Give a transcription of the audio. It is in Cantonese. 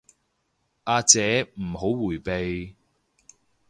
阿姐唔好迴避